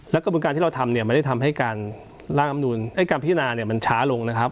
และกระบวนการที่เราทำไม่ได้ทำให้การพิจารณามันช้าลงนะครับ